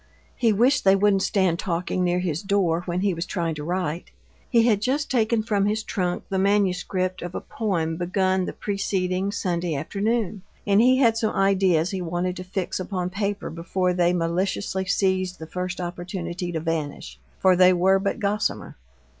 He wished they wouldn't stand talking near his door when he was trying to write. He had just taken from his trunk the manuscript of a poem begun the preceding Sunday afternoon, and he had some ideas he wanted to fix upon paper before they maliciously seized the first opportunity to vanish, for they were but gossamer.